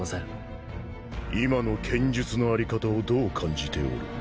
今の剣術のあり方をどう感じておる？